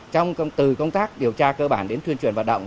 trong từ công tác điều tra cơ bản đến tuyên truyền vận động